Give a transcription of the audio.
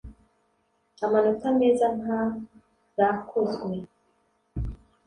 amanota meza nta rakozwe